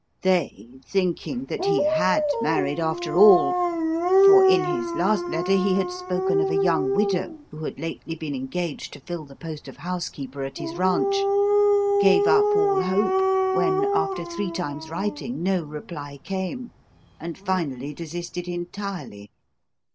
They, thinking that he had married after all for in his last letter he had spoken of a young widow who had lately been engaged to fill the post of housekeeper at his ranch gave up all hope when after three times writing no reply came, and finally desisted entirely.